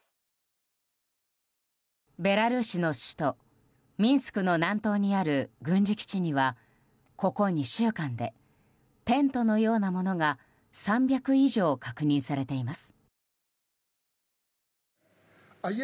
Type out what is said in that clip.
ベラルーシの首都ミンスクの南東にある軍事基地にはここ２週間でテントのようなものが３００以上確認されています。